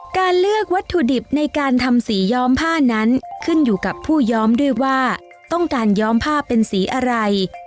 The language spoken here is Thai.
การเลือกวัตถุดิบในการทำสีย้อมผ้านั้นขึ้นอยู่กับผู้ย้อมด้วยว่าต้องการย้อมผ้าเป็นสีอะไร